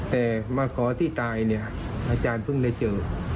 แต่มาขอที่ตายเนี่ยอาจารย์เพิ่งได้เจอ